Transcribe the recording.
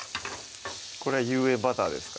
これは有塩バターですか？